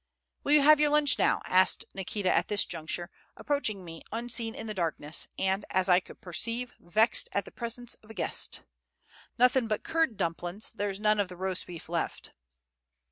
"Will you have your lunch now?" asked Nikita at this juncture, approaching me unseen in the darkness, and, as I could perceive, vexed at the presence of a guest. "Nothing but curd dumplings, there's none of the roast beef left."